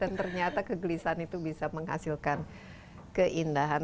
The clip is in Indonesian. dan ternyata kegelisahan itu bisa menghasilkan keindahan